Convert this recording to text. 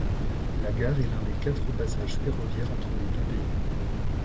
La gare est l'un des quatre passages ferroviaires entre les deux pays.